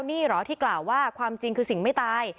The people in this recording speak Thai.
นี่เหรอที่กล่าวว่าความจริงคือสิ่งไม่ตาย